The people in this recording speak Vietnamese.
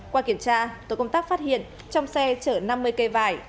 qua kiểm tra tổ công tác phát hiện trong xe chở năm mươi cây vải